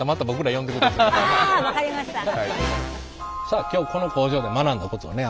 さあ今日この工場で学んだことをね